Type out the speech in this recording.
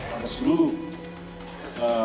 pada seluruh dunia